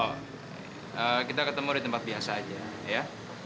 oh kita ketemu di tempat biasa aja ya